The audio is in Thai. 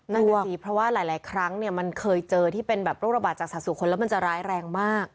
ดูสิเพราะว่าหลายครั้งเนี่ยมันเคยเจอที่เป็นแบบโรคระบาดจากสัตสุคนแล้วมันจะร้ายแรงมาก